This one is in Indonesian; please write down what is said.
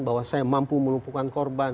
bahwa saya mampu melumpuhkan korban